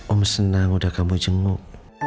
om senang udah kamu jenguk